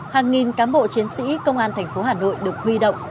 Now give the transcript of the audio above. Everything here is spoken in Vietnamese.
hàng nghìn cán bộ chiến sĩ công an thành phố hà nội được huy động